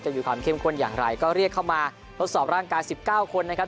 มีความเข้มข้นอย่างไรก็เรียกเข้ามาทดสอบร่างกาย๑๙คนนะครับ